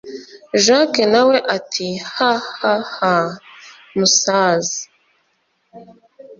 jack nawe ati hahahaa msaza